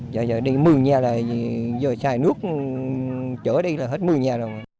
giờ đây mưa nha giờ chạy nước chở đây là hết mưa nha